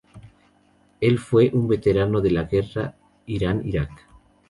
El fue un veterano de la Guerra Irán-Irak.